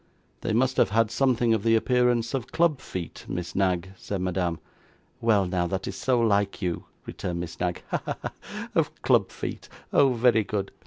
'They must have had something of the appearance of club feet, Miss Knag,' said Madame. 'Well now, that is so like you,' returned Miss Knag, 'Ha! ha! ha! Of club feet! Oh very good!